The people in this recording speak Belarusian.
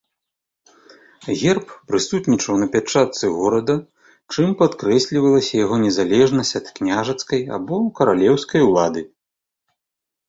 Герб прысутнічаў на пячатцы горада, чым падкрэслівалася яго незалежнасць ад княжацкай або каралеўскай улады.